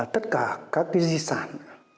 tất cả các di sản